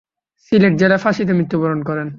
সিলেট জেলে ফাঁসিতে মৃত্যুবরণ করেন।